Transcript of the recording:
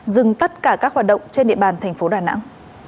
dừng tất cả các hoạt động trên địa bàn thành phố đà nẵng